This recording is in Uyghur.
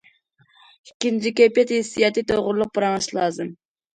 ئىككىنچى، كەيپىيات- ھېسسىياتى توغرىلىق پاراڭلىشىش لازىم.